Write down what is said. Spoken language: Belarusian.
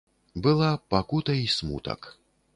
Была пакута і смутак.